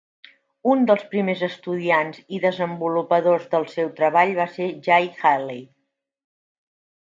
Un dels primers estudiants i desenvolupadors del seu treball va ser Jay Haley.